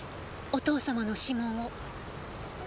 お父様の指紋を。